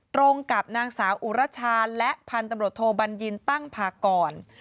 ตรงกับนางสาวอุรชาและพันธุ์ตำรวจโทบัญญินตั้งพากร